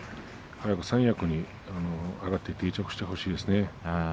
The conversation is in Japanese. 早く三役に上がって定着してほしいですね。